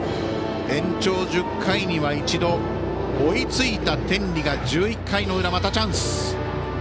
延長１０回には一度、追いついた天理が１１回の裏、またチャンス。